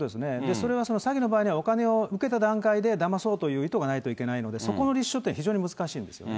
それは詐欺の場合には、お金を受けた段階でだまそうという意図がないといけないので、そこの立証というのは非常に難しいんですよね。